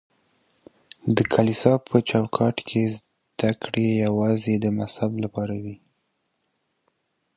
د کليسا په چوکاټ کي زده کړې يوازې د مذهب لپاره وې.